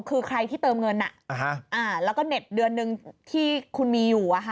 คือใครที่เติมเงินแล้วก็เน็ตเดือนหนึ่งที่คุณมีอยู่